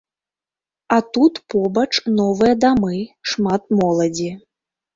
А тут побач новыя дамы, шмат моладзі.